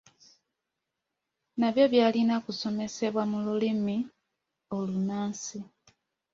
Nabyo byalina kusomesebwa mu Lulimi olunnansi.